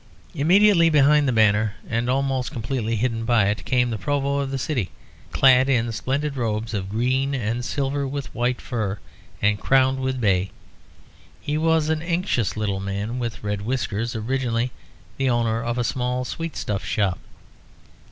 Immediately behind the banner, and almost completely hidden by it, came the Provost of the city, clad in splendid robes of green and silver with white fur and crowned with bay. He was an anxious little man with red whiskers, originally the owner of a small sweet stuff shop.